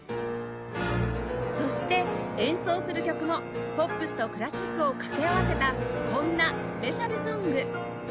そして演奏する曲もポップスとクラシックを掛け合わせたこんなスペシャルソング